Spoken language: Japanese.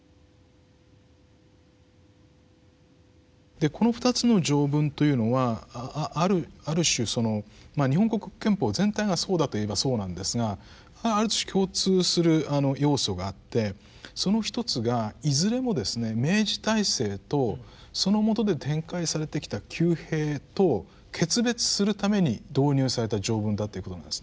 でこの２つの条文というのはある種その日本国憲法全体がそうだといえばそうなんですがある種共通する要素があってそのひとつがいずれもですね明治体制とそのもとで展開されてきた旧弊と決別するために導入された条文だということなんですね。